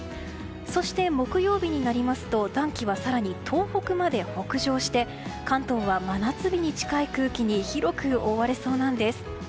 そして木曜日になりますと暖気は更に東北まで北上して関東は真夏日に近い空気に広く覆われそうなんです。